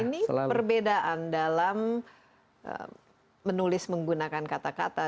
ini perbedaan dalam menulis menggunakan kata kata